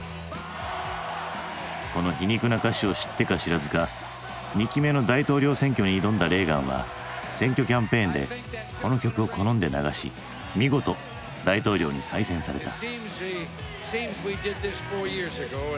この皮肉な歌詞を知ってか知らずか２期目の大統領選挙に挑んだレーガンは選挙キャンペーンでこの曲を好んで流し見事大統領に再選された。